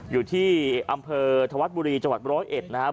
อยู่ที่อำเภอธวัสบุรีจังหวัดบร้อยเอ็ดนะฮะ